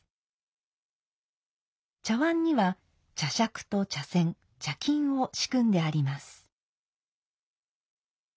茶碗には茶杓と茶筅茶巾を仕組んであります。